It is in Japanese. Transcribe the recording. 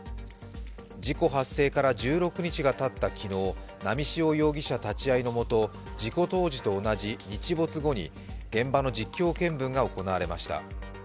事故発生から１６日がたった昨日波汐容疑者立ち会いのもと事故当時と同じ、日没後に現場の実況見分が行われました。